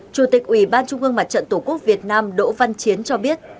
chủ tịch ủy ban trung ương mặt trận tổ quốc việt nam đỗ văn chiến cho biết